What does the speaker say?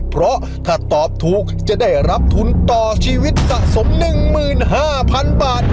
เพราะถ้าตอบถูกจะได้รับทุนต่อชีวิตสะสม๑๕๐๐๐บาท